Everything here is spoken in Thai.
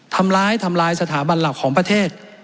ทำร้ายทำลายสถาบันหลักของประเทศ